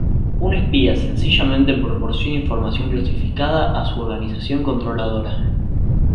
Un espía sencillamente proporciona información clasificada a su organización controladora.